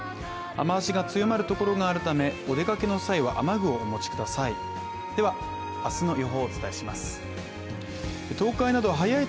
雨足が強まるところがあるため、お出かけの際は雨具をお持ちください。